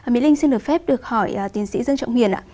mỹ linh xin được phép được hỏi tiến sĩ dân trọng nguyên